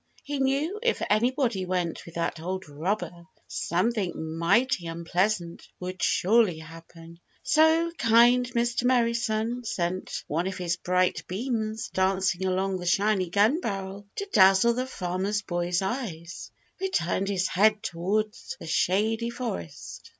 He knew if anybody went with that old robber something mighty unpleasant would surely happen. So kind Mr. Merry Sun sent one of his bright beams dancing along the shiny gun barrel to dazzle the Farmer Boy's eyes, who turned his head toward the Shady Forest.